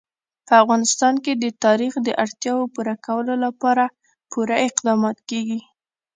په افغانستان کې د تاریخ د اړتیاوو پوره کولو لپاره پوره اقدامات کېږي.